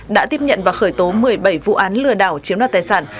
đã tiếp nhận và khởi tố một mươi bảy vụ án lừa đảo chiếm đoạt tài sản